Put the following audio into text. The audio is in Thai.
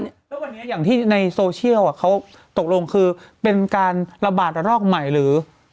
แล้ววันนี้อย่างที่ในโซเชียลเขาตกลงคือเป็นการระบาดระลอกใหม่หรือ